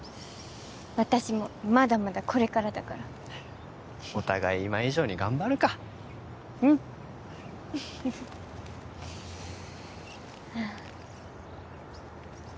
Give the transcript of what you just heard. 私もまだまだこれからだからお互い今以上に頑張るかうんああ